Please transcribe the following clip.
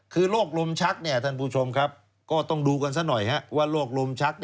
คือโรคลมชักท่านผู้ชมครับก็ต้องดูกันซะหน่อยว่าโรคลมชัก